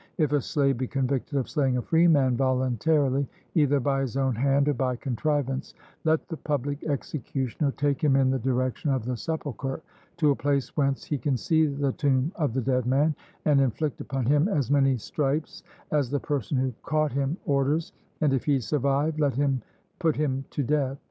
If a slave be convicted of slaying a freeman voluntarily, either by his own hand or by contrivance, let the public executioner take him in the direction of the sepulchre, to a place whence he can see the tomb of the dead man, and inflict upon him as many stripes as the person who caught him orders, and if he survive, let him put him to death.